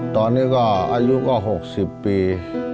ตอนนี้ก็อายุก็๖๐ปี